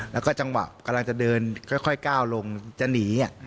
แล้วก็จังหวะกำลังจะเดินค่อยก้าวลงจะหนี